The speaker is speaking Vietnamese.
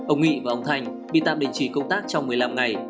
ông nghị và ông thành bị tạm định trì công tác trong một mươi năm ngày